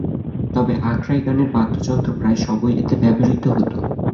তবে আখড়াই গানের বাদ্যযন্ত্র প্রায় সবই এতে ব্যবহূত হতো।